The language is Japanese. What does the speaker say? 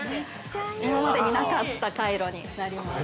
今までになかったカイロになります。